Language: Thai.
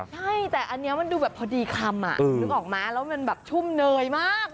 ใช่แต่อันนี้มันดูแบบพอดีคำนึกออกมาแล้วมันแบบชุ่มเนยมาก